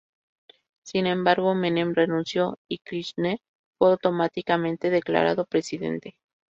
Sin embargo, Menem renunció, y Kirchner fue automáticamente declarado presidente.